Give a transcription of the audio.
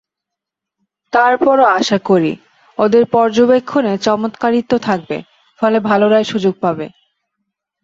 তার পরও আশা করি, ওদের পর্যবেক্ষণে চমৎকারিত্ব থাকবে, ফলে ভালোরাই সুযোগ পাবে।